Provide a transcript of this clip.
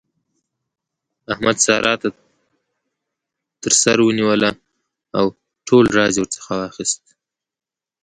احمد؛ سارا تر سر ونيوله او ټول راز يې ورڅخه واخيست.